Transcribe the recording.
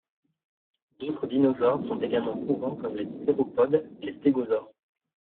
D'autres dinosaures sont également courants comme les théropodes et les stégosaures.